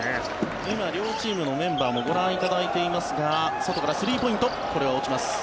今、両チームのメンバーもご覧いただいていますが外からスリーポイントこれは落ちます。